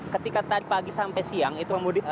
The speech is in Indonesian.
ketika tadi pagi sampai siang itu pemudik